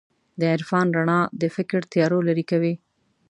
د عرفان رڼا د فکر تیارو لېرې کوي.